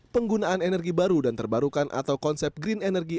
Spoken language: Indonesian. penggunaan energi baru dan terbarukan atau konsep green energy